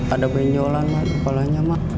ada benjolan mak kepalanya mak